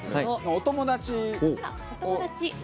お友達を。